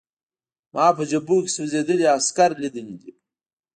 ما په جبهو کې سوځېدلي عسکر لیدلي دي